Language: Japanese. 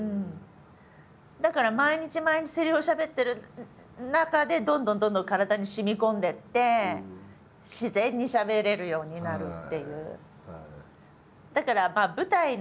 だから毎日毎日セリフをしゃべってる中でどんどんどんどん体にしみこんでいって自然にしゃべれるようになるっていう。